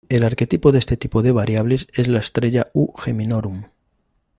El arquetipo de este tipo de variables es la estrella U Geminorum.